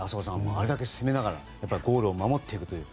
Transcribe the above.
あれだけ攻めながらゴールを守っているという。